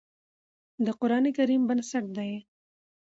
د قرآن کريم بنسټ دی